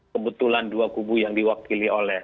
kebetulan dua kubu yang diwakili oleh